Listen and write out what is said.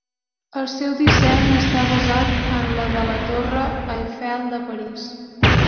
El seu disseny està basat en la de la Torre Eiffel de París.